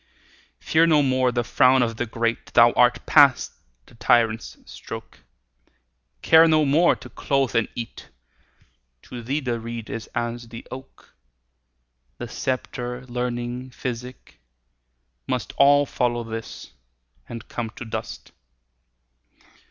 Fear no more the frown o' the great, Thou art past the tyrant's stroke; Care no more to clothe, and eat; To thee the reed is as the oak: The sceptre, learning, physic, must All follow this and come to dust.